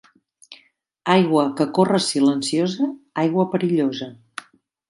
Aigua que corre silenciosa, aigua perillosa.